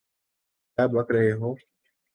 کیا بک رہے ہو؟